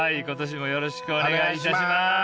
今年もよろしくお願いします。